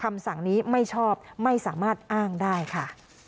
คำสั่งนี้ไม่ชอบไม่สามารถอ้างได้ค่ะ